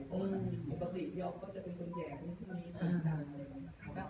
พอปกติพี่ออฟก็จะเป็นคนแหลง